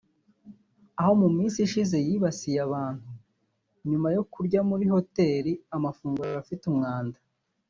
aho mu minsi ishize yibasiye abantu nyuma yo kurya muri Hoteli amafunguro afite umwanda